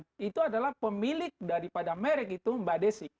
jadi itu adalah pemilik daripada merek itu mbak desi